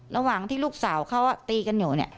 ระหว่างที่ลูกสาวเขาตีกันอยู่เนี่ย